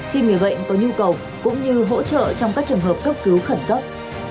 khi người bệnh có nhu cầu cũng như hỗ trợ trong các trường hợp cấp cứu khẩn cấp